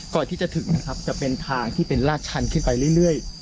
ก่อนที่จะถึงนะครับจะเป็นทางที่เป็นลาดชันขึ้นไปเรื่อย